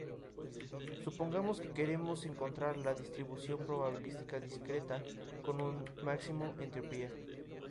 Supongamos que queremos encontrar la distribución probabilística discreta con máxima entropía.